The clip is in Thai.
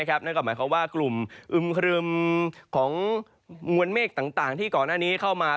นั่นก็หมายความว่ากลุ่มอึมครึมของมวลเมฆต่างที่ก่อนหน้านี้เข้ามา